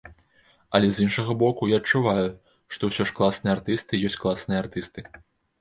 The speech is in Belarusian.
Але з іншага боку, я адчуваю, што ўсё ж класныя артысты ёсць класныя артысты.